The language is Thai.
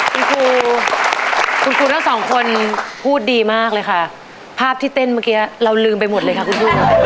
คุณครูคุณครูทั้งสองคนพูดดีมากเลยค่ะภาพที่เต้นเมื่อกี้เราลืมไปหมดเลยค่ะคุณครูค่ะ